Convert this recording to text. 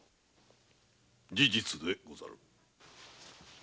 事実でござる。